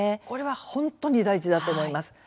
これは本当に大事だと思います。